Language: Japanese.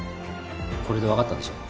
「これで分かったでしょ」